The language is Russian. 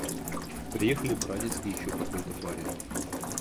Приехали братец и еще какой-то барин.